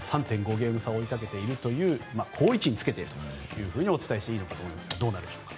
ゲーム差を追いかけているという好位置につけているとお伝えしていいのでしょうがどうなるでしょうか。